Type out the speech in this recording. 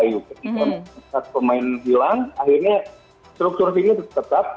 ketika setelah pemain hilang akhirnya struktur sini tetap